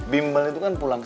bimbal itu kan pulang saja